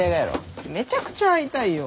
めちゃくちゃ会いたいよ！